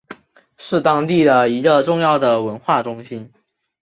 是当地的一个重要的文化中心。